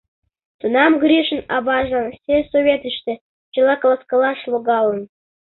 Тунам Гришын аважлан сельсоветыште чыла каласкалаш логалын.